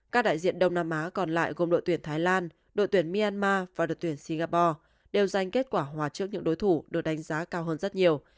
các đại diện đông nam á còn lại gồm đội tuyển thái lan đội tuyển myanmar và đội tuyển singapore đều dành kết quả hòa trước những đối thủ được đánh giá cao hơn rất nhiều